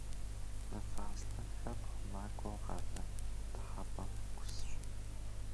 Мывэ аслъэнхэр хъумакӏуэу къалэ дыхьэпӏэм ӏусщ.